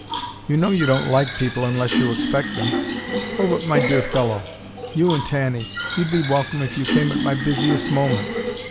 "You know you don't like people unless you expect them." "Oh, but my dear fellow! You and Tanny; you'd be welcome if you came at my busiest moment.